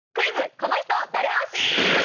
この人、誰推し？」